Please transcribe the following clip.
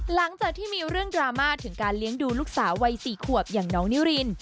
หลังจากที่มีเรื่องดราม่าถึงการเลี้ยงดูลูกสาววัย๔ขวบอย่างน้องนิริน